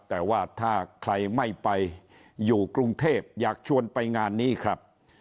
แต่ว่าถ้าใครไม่ไปอยู่กรุงเทพอยากชวนไปงานนี้ครับ